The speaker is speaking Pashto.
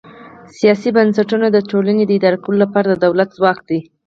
سیاسي بنسټونه د ټولنې د اداره کولو لپاره د دولت ځواک دی.